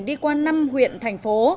đi qua năm huyện thành phố